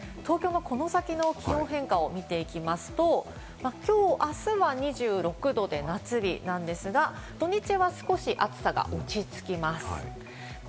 この先の東京の気温の変化を見てみますと今日、明日は２６度で夏日なんですが、土日は少し暑さが落ち着きます。